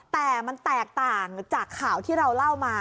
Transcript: แต่มันแตกต่างจากข่าวที่เราเล่ามา